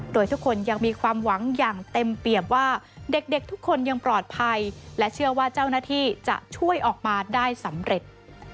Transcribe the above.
โดยทุกคนยังมีความหวังอย่างเต็มเปรียบว่าเด็กทุกคนยังปลอดภัยและเชื่อว่าเจ้าหน้าที่จะช่วยออกมาได้สำเร็จ